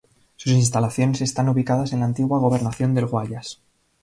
Sus instalaciones están ubicadas en la antigua Gobernación del Guayas.